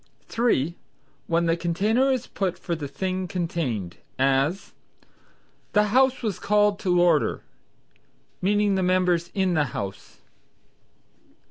(3) When the container is put for the thing contained; as "The House was called to order," meaning the members in the House.